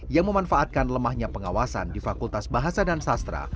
yang memanfaatkan lemahnya pengawasan di fakultas bahasa dan sastra